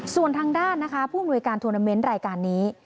ส่วนทางด้านนะคะผู้อำนวยการโทรนาเมนต์รายการนี้